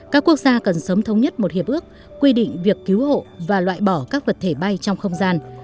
các quốc gia cần sớm thống nhất một hiệp ước quy định việc cứu hộ và loại bỏ các vật thể bay trong không gian